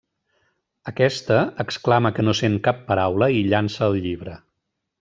Aquest exclama que no sent cap paraula i llança el llibre.